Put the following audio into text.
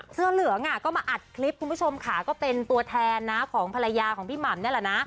เสื้อเหลืองก็มาอัดคลิปคุณผู้ชมค่ะก็เป็นตัวแทนนะของภรรยาของพี่หม่ำนี่แหละนะ